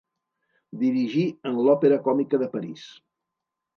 Dirigí en l'Òpera Còmica de París.